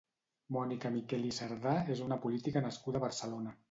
Mònica Miquel i Serdà és una política nascuda a Barcelona.